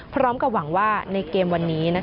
พร้อมกับหวังว่าในเกมวันนี้